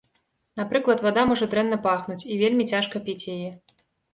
Напрыклад, вада можа дрэнна пахнуць, і вельмі цяжка піць яе.